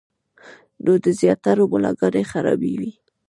نو د زياترو ملاګانې خرابې وي -